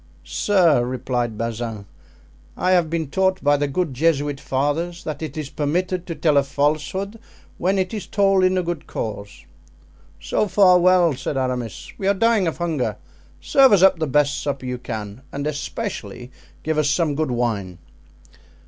"Sir," replied Bazin, "I have been taught by the good Jesuit fathers that it is permitted to tell a falsehood when it is told in a good cause." "So far well," said Aramis; "we are dying of hunger. Serve us up the best supper you can, and especially give us some good wine."